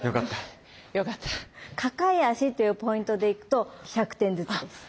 抱え足というポイントでいくと１００点ずつです。